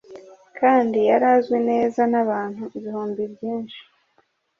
kandi yari azwi neza n’abantu ibihumbi byinshi